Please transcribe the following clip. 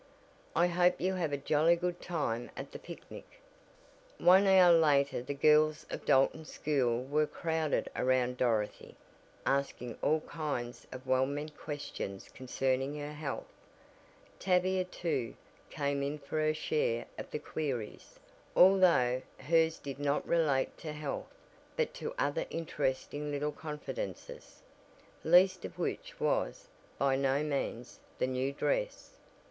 "I hope you have a jolly good time at the picnic." One hour later the girls of Dalton school were crowded around Dorothy, asking all kinds of well meant questions concerning her health. Tavia, too, came in for her share of the queries, although hers did not relate to health, but to other interesting little confidences, least of which was, by no means, the new dress.